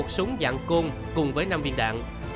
một súng dạng côn cùng với năm viên đạn